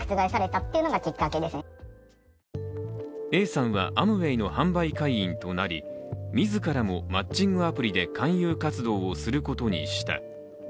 Ａさんはアムウェイの販売会員となり自らもマッチングアプリで勧誘活動をすることにした。